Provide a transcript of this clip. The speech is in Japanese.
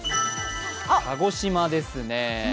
鹿児島ですね。